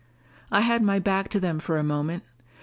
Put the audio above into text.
I had my back to them for a moment.